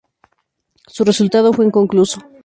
Su resultado fue inconcluso.